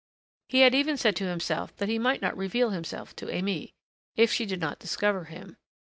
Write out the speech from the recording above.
He had even said to himself that he might not reveal himself to Aimée if she did not discover him.